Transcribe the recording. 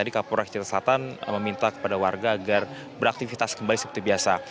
kapolres jakarta selatan meminta kepada warga agar beraktivitas kembali seperti biasa